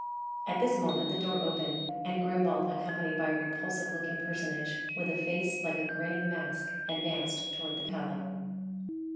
At this moment the door opened, and Grimbald, accompanied by a repulsive looking personage, with a face like a grinning mask, advanced towards the pallet.